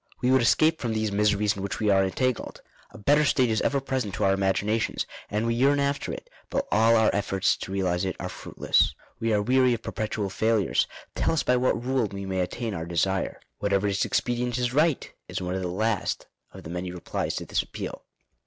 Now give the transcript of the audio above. "We would escape from these miseries in which we are entangled. A better state is ever present to our imaginations, and we yearn after it; but all our efforts to realize it are fruitless. We are weary of perpetual failures ; tell us by what rule we may attain our desire." "Whatever is expedient is right;" is one of the last of the many replies to this appeal.